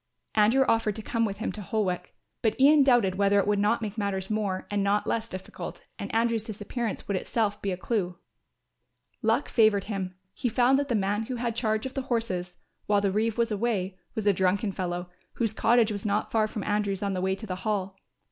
Andrew offered to come with him to Holwick, but Ian doubted whether it would not make matters more and not less difficult and Andrew's disappearance would itself give a clue. Luck favoured him, he found that the man who had charge of the horses, while the reeve was away, was a drunken fellow, whose cottage was not far from Andrew's on the way to the Hall.